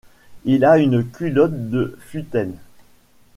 Il a une culotte de futaine.